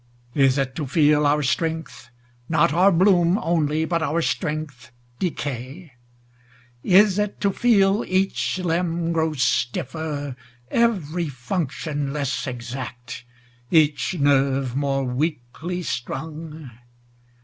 Is it to feel our strength Not our bloom only, but our strength decay? Is it to feel each limb Grow stiffer, every function less exact, Each nerve more loosely strung?